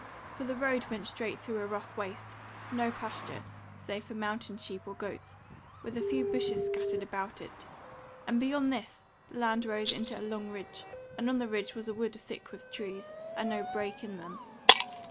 For the road went straight through a rough waste, no pasture, save for mountain sheep or goats, with a few bushes scattered about it; and beyond this the land rose into a long ridge; and on the ridge was a wood thick with trees, and no break in them.